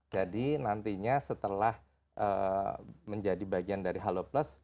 nantinya setelah menjadi bagian dari halo plus